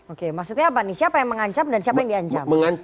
oke maksudnya apa nih siapa yang mengancam dan siapa yang diancam